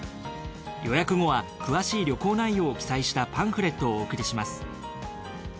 予約後は詳しい旅行内容を記載したパンフレットをお送りします。